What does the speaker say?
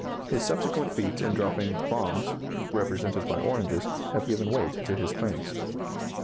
His subsequent feats in dropping "bombs," represented by oranges, have given weight to his claims.